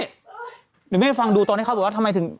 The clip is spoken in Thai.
เดี๋ยวแม่ฟังดูตรงนี้เขาทำไมถึง